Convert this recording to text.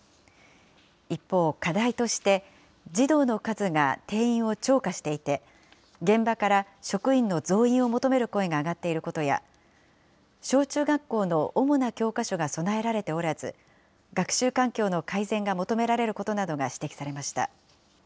一方、課題として、児童の数が定員を超過していて、現場から職員の増員を求める声が上がっていることや、小中学校の主な教科書が備えられておらず、学習環境の改善が求められることなどが指摘されました。